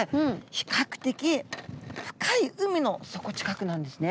比較的深い海の底近くなんですね。